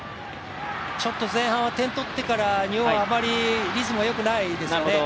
前半は点を取ってから日本はあまりリズムがよくないですね。